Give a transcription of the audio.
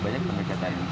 banyak pendekatan biaya